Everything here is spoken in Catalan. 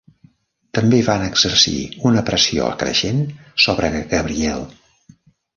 També van exercir una pressió creixent sobre Gabriel.